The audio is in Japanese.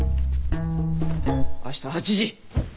明日８時。